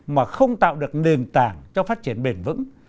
mà không tạo được nền tảng cho phát triển bền vững